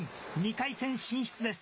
２回戦進出です。